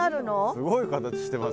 すごい形してますね。